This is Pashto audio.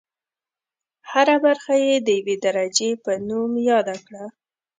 هره برخه یې د یوې درجې په نوم یاده کړه.